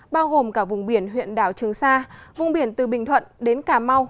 bao gồm cả vùng biển huyện đảo trường sa vùng biển từ bình thuận đến cà mau